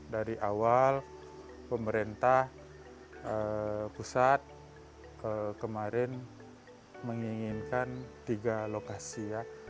dari awal pemerintah pusat kemarin menginginkan tiga lokasi ya